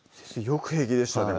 よく平気でしたね